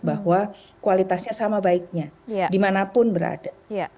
bahwa kualitasnya sama baiknya dimanapun berada